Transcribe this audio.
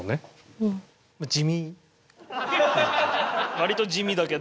割と地味だけど。